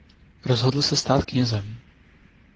Rozhodl se stát knězem.